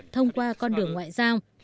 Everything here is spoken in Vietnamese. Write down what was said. thông qua con đường ngoại giao